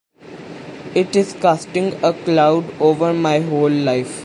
It is casting a cloud over my whole life.